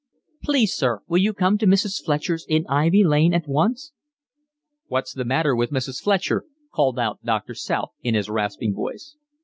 "Please, sir, will you come to Mrs. Fletcher's in Ivy Lane at once?" "What's the matter with Mrs. Fletcher?" called out Doctor South in his rasping voice.